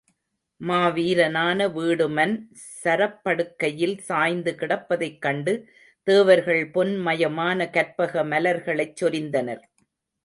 மா வீரனான வீடுமன் சரப்படுக்கையில் சாய்ந்து கிடப்பதைக் கண்டு தேவர்கள் பொன் மயமான கற்பக மலர்களைச் சொரிந்தனர்.